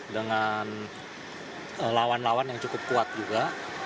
dengan lawan lawan yang cukup kuat juga